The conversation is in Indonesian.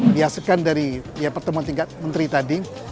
dihasilkan dari pertemuan tingkat menteri tadi